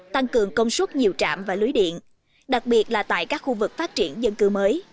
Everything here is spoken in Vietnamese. tăng cường công suất nhiều trạm và lưới điện đặc biệt là tại các khu vực phát triển dân cư mới